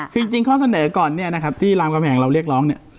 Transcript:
คือจริงข้อเสนอก่อนเนี่ยนะครับที่รามกำแหงเราเรียกร้องเนี่ย